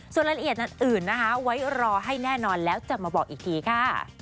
ส่วนรายละเอียดอื่นนะคะไว้รอให้แน่นอนแล้วจะมาบอกอีกทีค่ะ